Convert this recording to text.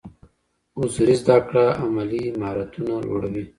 حضوري زده کړه عملي مهارتونه لوړوي.